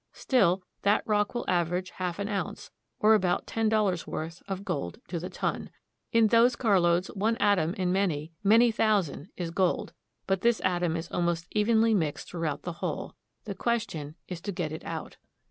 " Still, that rock will average half an ounce, or about ten dollars' worth, of gold to the ton. In those carloads one atom in many, many thousand is gold, but this atom is almost evenly mixed throughout the whole. The question is to get it out.